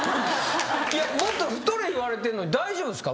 もっと太れ言われてんのに大丈夫っすか？